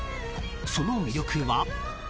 ［その魅力は］